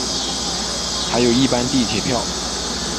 还有一般地铁票